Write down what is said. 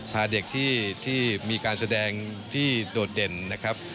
พาเด็กที่มีการแสดงที่โดดเด่นนะครับ